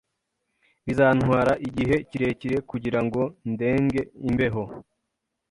Bizantwara igihe kirekire kugirango ndenge imbeho.